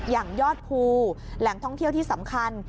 อย่างยอดภูแหล่งท่องเที่ยวที่สำคัญ